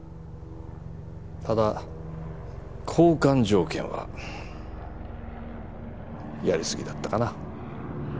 ただ交換条件はやり過ぎだったかな。